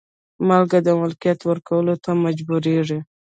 مالک د ملکیت ورکولو ته مجبوریږي.